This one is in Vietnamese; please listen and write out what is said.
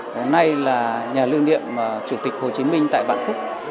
hôm nay là nhà lưu niệm chủ tịch hồ chí minh tại vạn phúc